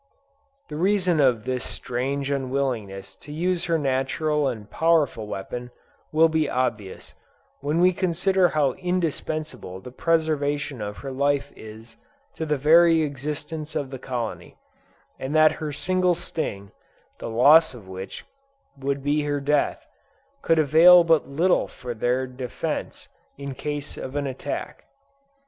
The reason of this strange unwillingness to use her natural and powerful weapon, will be obvious, when we consider how indispensable the preservation of her life is to the very existence of the colony, and that her single sting, the loss of which would be her death, could avail but little for their defence, in case of an attack.